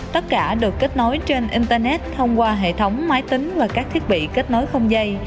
tất cả được kết nối trên internet thông qua hệ thống máy tính và các thiết bị kết nối không dây